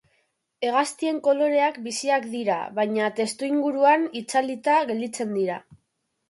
Hegaztien koloreak biziak dira baina testuinguruan itzalita gelditzen dira.